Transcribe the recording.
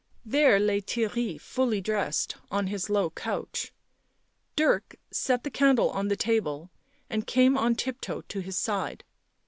There lay Theirry, fully dressed, on his low couch. Dirk set the candle on the table and came on tiptoe to his side.